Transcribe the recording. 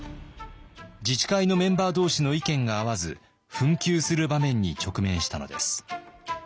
自治会のメンバー同士の意見が合わず紛糾する場面に直面したのです。